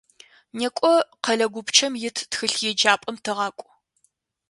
НекӀо, къэлэ гупчэм ит тхылъеджапӏэм тыгъакӀу.